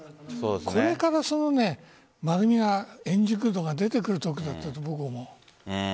これから丸みが円熟度が出てくるときだったと思う。